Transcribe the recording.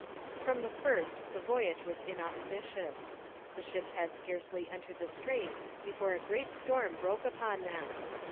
From the first the voyage was inauspicious. The ships had scarcely entered the straits before a great storm broke upon them.